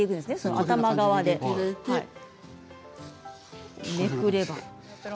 頭側でめくれば。